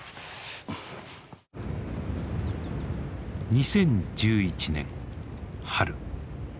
２０１１年春。